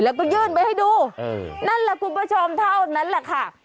แล้วก็ยื่นไปให้ดูนั่นแหละคุณผู้ชมเท่านั้นแหละค่ะ